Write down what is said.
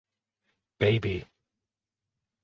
Baby.